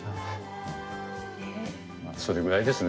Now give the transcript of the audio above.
まあそれぐらいですね。